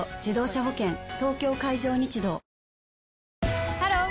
東京海上日動ハロー！